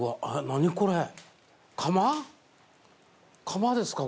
釜ですか？